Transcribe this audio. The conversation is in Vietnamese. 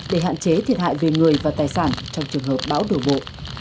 để hạn chế thiệt hại về người và tài sản trong trường hợp bão đổ bộ